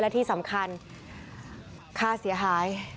และที่สำคัญค่าเสียหาย